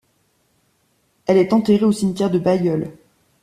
Elle est enterrée au cimetière de Bailleul.